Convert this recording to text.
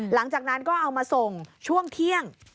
หลังจากนั้นก็เอามาส่งช่วงเที่ยง